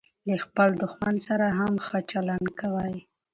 له خپل دوښمن سره هم ښه چلند کوئ!